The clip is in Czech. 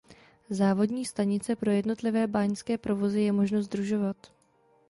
Závodní stanice pro jednotlivé báňské provozy je možno sdružovat.